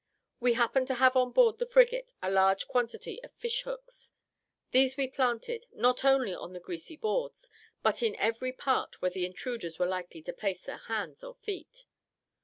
We happened to have on board the frigate a large quantity of fishhooks; these we planted, not only on the greasy boards, but in every part where the intruders were likely to place their hands or feet.